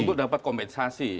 untuk dapat komensasi